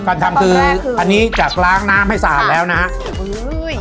ทำคืออันนี้จากล้างน้ำให้สะอาดแล้วนะฮะอุ้ย